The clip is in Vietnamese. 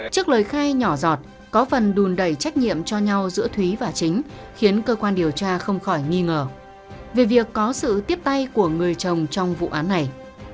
trước lời khai nhỏ giọt có phần đùn đầy trách nhiệm cho nhau giữa thúy và chính khiến cơ quan điều tra không khỏi nghi ngờ về việc có sự tiếp tay của người chồng trong vụ án này